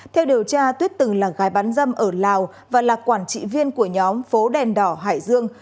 theo điều tra tuyết từng là gái bán dâm ở lào và là quản trị viên của nhóm phố đèn đỏ hải dương